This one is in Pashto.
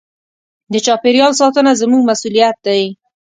د چاپېریال ساتنه زموږ مسوولیت دی.